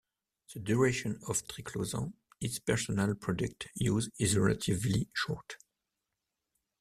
The duration of triclosan in personal product use is relatively short.